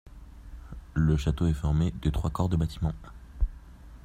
Le château est formé de trois corps de bâtiment.